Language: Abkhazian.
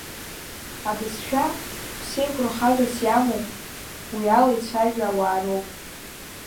Абызшәа ԥсеиқәырхагас иамоу, уи ала ицәажәо ауаа роуп.